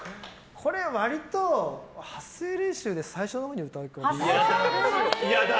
これ割と発声練習で最初のほうに歌います。